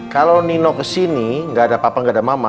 kalau nino ke sini nggak ada papa nggak ada mama